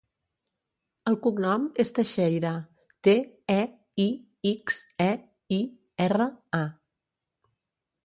El cognom és Teixeira: te, e, i, ics, e, i, erra, a.